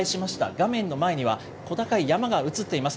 画面の前には、小高い山が映っています。